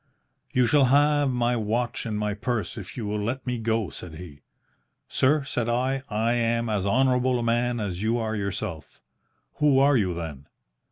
"'You shall have my watch and my purse if you will let me go,' said he. "'Sir,' said I, 'I am as honourable a man as you are yourself.' "'Who are you, then?'